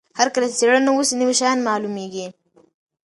هر کله چې څېړنه وسي نوي شیان معلومیږي.